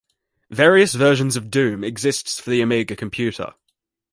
Various versions of "Doom" exists for the Amiga computer.